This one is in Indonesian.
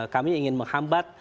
kami ingin menghambat